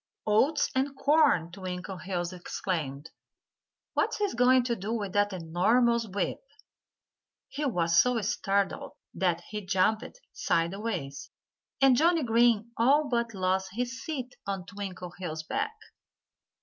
"Oats and corn!" Twinkleheels exclaimed. "What's he going to do with that enormous whip?" He was so startled that he jumped sideways, and Johnnie Green all but lost his seat on Twinkleheels' back.